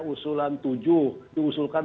usulan tujuh diusulkan